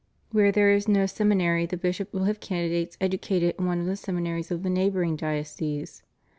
Where there is no seminary the bishop will have candidates educated in one of the seminaries of the neighboring diocese.